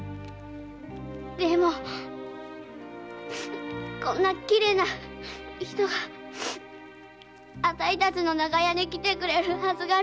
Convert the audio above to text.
でもこんなきれいな人があたいたちの長屋に来てくれるはずがありません。